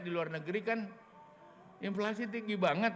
di luar negeri kan inflasi tinggi banget